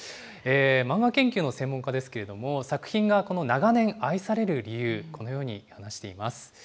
漫画研究の専門家ですけれども、作品が長年愛される理由、このように話しています。